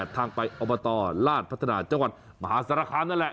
ทางไปอบตราชพัฒนาจังหวัดมหาสารคามนั่นแหละ